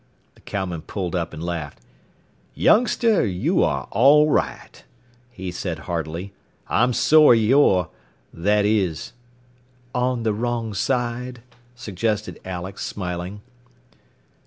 The cowman pulled up and laughed. "Youngster, you're all right," he said heartily. "I'm sorry you're that is " "On the wrong side?" suggested Alex, smiling.